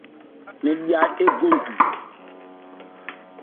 Mɛn mya égo ndu.